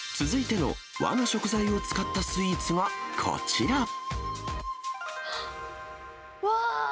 続いての和の食材を使ったスイーツはこちら。